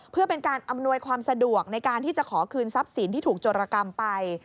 เพื่อเป็นการอำนวยความสะดวกในการที่จะขอคืนทรัพย์สินที่ถูกโจรกรรมไป